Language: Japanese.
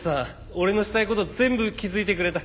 俺のしたい事全部気づいてくれた。